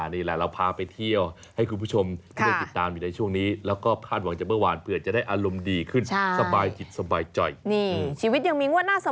นี่แหละเราพาไปเที่ยวให้คุณผู้ชมได้ติดตามอยู่ในช่วงนี้แล้วก็คาดหวังจากเมื่อวานเผื่อจะได้อารมณ์ดีขึ้นสบายจิตสบายใจ